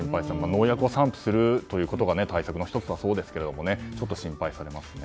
農薬を散布することが対策の１つだそうですがちょっと心配されますね。